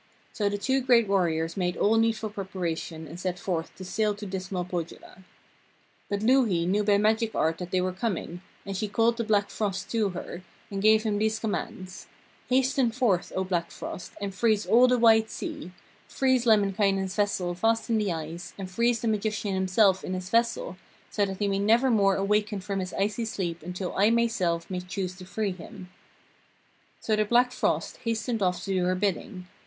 So the two great warriors made all needful preparation and set forth to sail to dismal Pohjola. But Louhi knew by magic art that they were coming, and she called the Black frost to her, and gave him these commands: 'Hasten forth, O Black frost, and freeze all the wide sea. Freeze Lemminkainen's vessel fast in the ice, and freeze the magician himself in his vessel, so that he may never more awaken from his icy sleep until I myself may choose to free him.' So the Black frost hastened off to do her bidding.